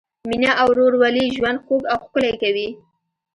مینه او ورورولي ژوند خوږ او ښکلی کوي.